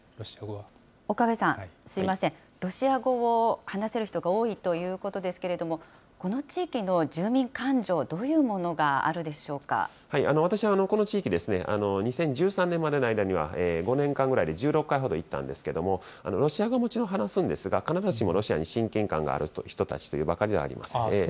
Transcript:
岡部さん、すみません、ロシア語を話せる人が多いということですけれども、この地域の住民感情、どういうものがあるでしょう私、この地域ですね、２０１３年までの間には５年間ぐらいで１６回ほど行ったんですけど、ロシア語ももちろん話すんですが、必ずしもロシアに親近感がある人たちというばかりではありません。